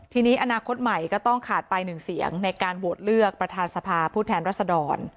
ทีนี้อนาคตใหม่ก็ต้องขาดไปหนึ่งเสียงในการโหวตเลือกประธานสภาผู้แทนรัศดร